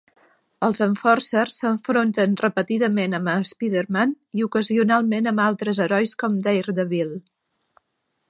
Els Enforcers s'enfronten repetidament amb Spider-Man i ocasionalment amb altres herois com Daredevil.